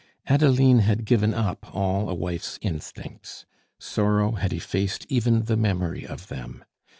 Adeline had given up all a wife's instincts; sorrow had effaced even the memory of them.